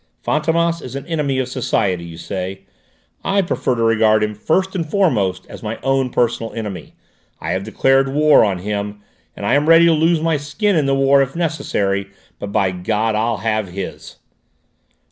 Fantômas is an enemy of society, you say? I prefer to regard him first and foremost as my own personal enemy! I have declared war on him, and I am ready to lose my skin in the war if necessary, but by God I'll have his!"